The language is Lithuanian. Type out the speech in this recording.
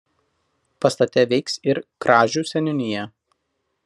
Pastate veiks ir Kražių seniūnija.